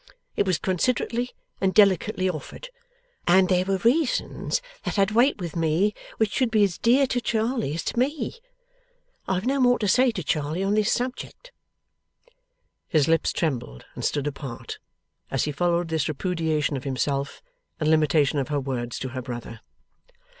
It was considerately and delicately offered, and there were reasons that had weight with me which should be as dear to Charley as to me. I have no more to say to Charley on this subject.' His lips trembled and stood apart, as he followed this repudiation of himself; and limitation of her words to her brother.